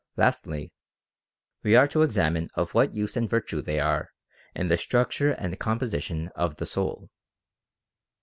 Lastly, we are to examine of what use and virtue they are in the structure and com position of the soul.